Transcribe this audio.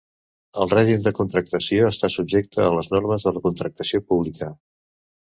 El règim de contractació està subjecte a les normes de la contractació pública.